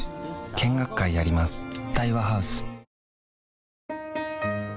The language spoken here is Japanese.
見学会やります